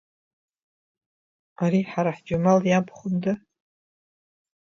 Ари ҳара Ҳџьемал иабхәында…